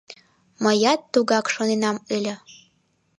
Мыят тугак шоненам ыле.